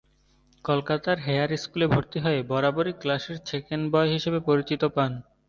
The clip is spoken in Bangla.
কলকাতার হেয়ার স্কুলে ভর্তি হয়ে বরাবরই ক্লাসের সেকেন্ড বয় হিসেবে পরিচিত পান।